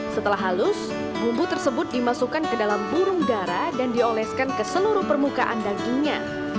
setelah halus bumbu tersebut dimasukkan ke dalam burung darah dan dioleskan ke seluruh permukaan dagingnya